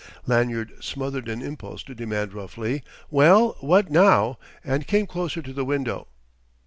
Lanyard smothered an impulse to demand roughly "Well, what now?" and came closer to the window.